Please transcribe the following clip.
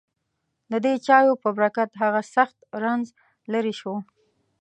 ددې چایو په برکت هغه سخت رنځ لېرې شو.